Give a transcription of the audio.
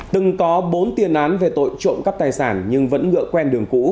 từng có bốn tiền án về tội trộm cắp tài sản nhưng vẫn ngựa quen đường cũ